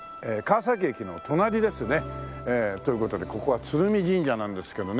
川崎駅の隣ですね。という事でここは鶴見神社なんですけどね。